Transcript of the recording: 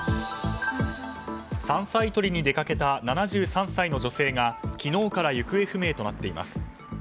山菜採りに出かけた７３歳の女性が昨日から行方不明となっています。